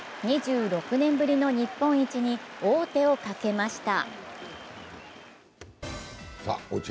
２６年ぶりの日本一に王手をかけました。